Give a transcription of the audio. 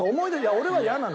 俺は嫌なの。